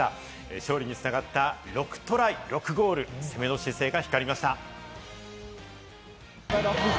勝利に繋がった６トライ６ゴール、攻めの姿勢が光りました。